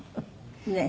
ねえ。